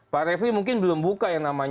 pak refli mungkin belum buka yang namanya